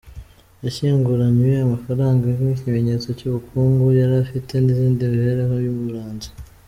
Yashyinguranywe amafaranga nk’ikimenyetso cy’ubukungu yari afite n’indi mibereho yamuranze.